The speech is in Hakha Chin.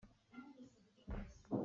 An ral kha an sam dih hna.